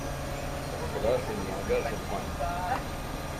Pour cela, je ne m'y engage point.